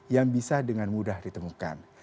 yang bisa dengan mudah ditemukan